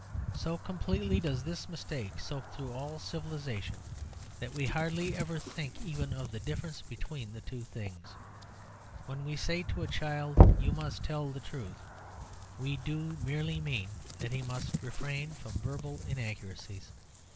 So completely does this mistake soak through all civilisation that we hardly ever think even of the difference between the two things. When we say to a child, "You must tell the truth," we do merely mean that he must refrain from verbal inaccuracies.